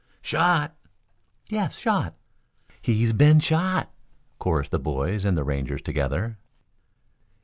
"Shot?" "Yes, shot." "He's been shot," chorused the boys and the Rangers together.